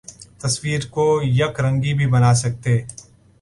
تصویر کو یک رنگی بھی بنا سکتے